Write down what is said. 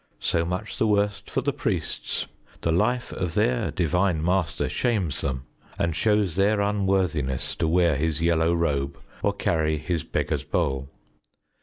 So much the worse for the priests: the life of their Divine Master shames them and shows their unworthiness to wear his yellow robe or carry his beggar's bowl.